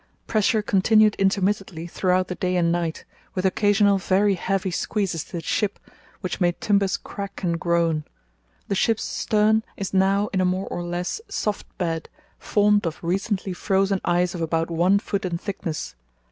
Pressure continued intermittently throughout the day and night, with occasional very heavy squeezes to the ship which made timbers crack and groan. The ship's stern is now in a more or less soft bed, formed of recently frozen ice of about one foot in thickness.